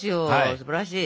すばらしい！